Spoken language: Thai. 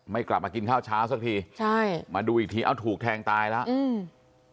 กลับมากินข้าวเช้าสักทีใช่มาดูอีกทีเอ้าถูกแทงตายแล้วอืม